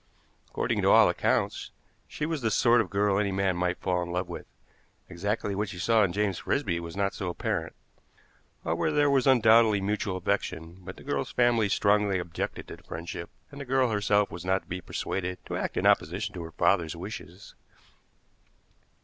According to all accounts, she was the sort of girl any man might fall in love with; exactly what she saw in James Frisby was not so apparent. However, there was undoubtedly mutual affection; but the girl's family strongly objected to the friendship, and the girl herself was not to be persuaded to act in opposition to her father's wishes.